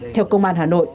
theo công an hà nội